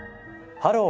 「ハロー！